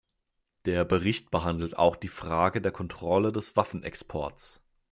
Der Bericht behandelt auch die Frage der Kontrolle des Waffenexports.